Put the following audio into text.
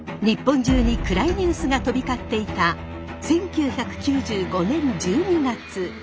日本中に暗いニュースが飛び交っていた１９９５年１２月。